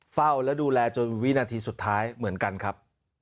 เฝ้าและดูแลจนวินาทีสุดท้ายเหมือนกันครับ